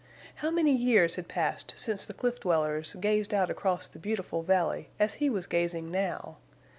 How many years had passed since the cliff dwellers gazed out across the beautiful valley as he was gazing now?